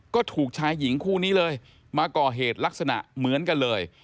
ก็ถูกชายหญิงคู่นี้เลยมาก่อเหตุลักษณะเหมือนกันเลย